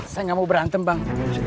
saya nggak mau berantem bang